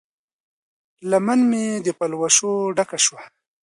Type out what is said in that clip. لمن مې د پلوشو ډکه شوه